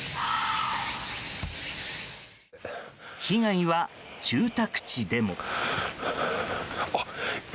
被害は、住宅地でも。